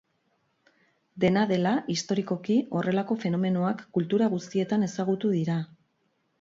Dena dela, historikoki, horrelako fenomenoak kultura guztietan ezagutu dira.